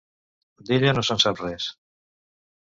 D'ella no se'n sap res.